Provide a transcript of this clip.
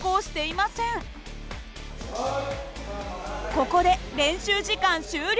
ここで練習時間終了。